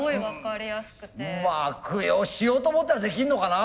悪用しようと思ったらできんのかな？